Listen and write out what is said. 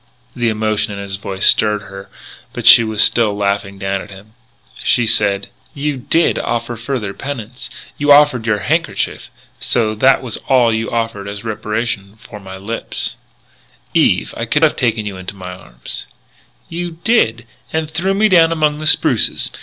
The emotion in his voice stirred her but she was still laughing down at him. She said: "You did offer further penance you offered your handkerchief. So as that was all you offered as reparation for my lips " "Eve! I could have taken you into my arms " "You did! And threw me down among the spruces.